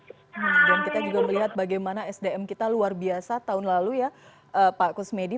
dan kita juga melihat bagaimana sdm kita luar biasa tahun lalu ya pak kusmedi